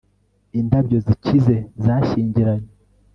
indabyo zikize zashyingiranywe